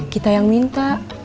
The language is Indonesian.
kita yang minta